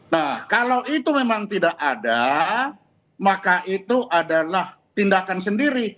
nah kalau itu memang tidak ada maka itu adalah tindakan sendiri